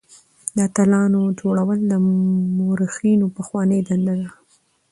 د اتلانو جوړول د مورخينو پخوانۍ دنده ده.